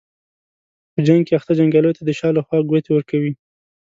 په جنګ کې اخته جنګیالیو ته د شا له خوا ګوتې ورکوي.